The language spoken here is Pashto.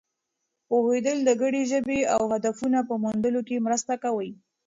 پوهېدل د ګډې ژبې او هدفونو په موندلو کې مرسته کوي.